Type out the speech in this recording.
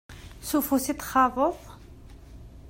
S ufus i t-txaḍeḍ?